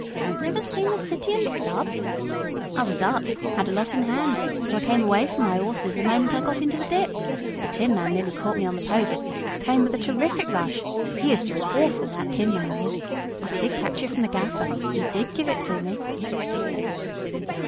"Never seen the City and Sub!... I was up, had a lot in hand, so I came away from my 'orses the moment I got into the dip. The Tinman nearly caught me on the post came with a terrific rush; he is just hawful, that Tinman is. I did catch it from the Gaffer he did give it me."